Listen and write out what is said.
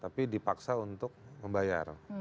tapi dipaksa untuk membayar